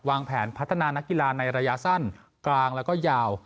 แผนพัฒนานักกีฬาในระยะสั้นกลางแล้วก็ยาว